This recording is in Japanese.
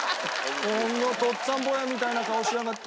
このとっつぁん坊やみたいな顔しやがって本当に。